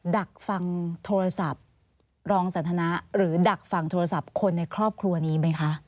ดักฟังโทรศัพท์รองสันทนาหรือดักฟังโทรศัพท์คนในครอบครัวนี้ไหมคะ